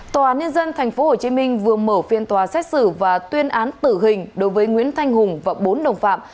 tòa án nhân dân tp hcm vừa mở phiên tòa xét xử và tuyên án tử hình đối với nguyễn thanh hùng và bốn đồng phạm